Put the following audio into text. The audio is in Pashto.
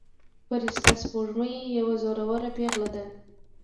فرشته سپوږمۍ یوه زړوره پيغله ده.